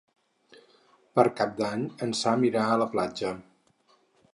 Per Cap d'Any en Sam irà a la platja.